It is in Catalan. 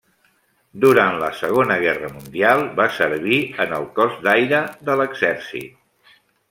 Durant Segona Guerra Mundial, va servir en el Cos d'Aire de l'Exèrcit.